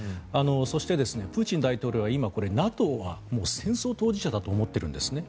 そして、プーチン大統領は今ＮＡＴＯはもう戦争当事者だと思ってるんですね。